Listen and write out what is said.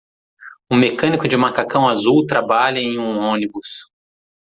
Um mecânico de macacão azul trabalha em um ônibus.